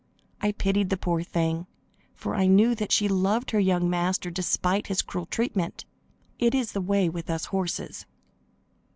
I pitied the poor thing, for I knew that she loved her young master despite his cruel treatment. It is the way with us horses.